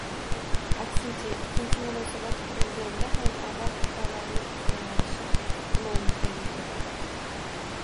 Aksincha, ikkinchi munosabat qurilganida ham avval xatolarning takrorlanishi ehtimoli yuzaga keladi